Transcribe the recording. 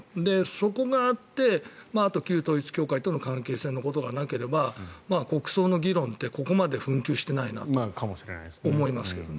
そこがあってあと、旧統一教会との関係性のことがなければ国葬の議論ってここまで紛糾してないなと思いますけど。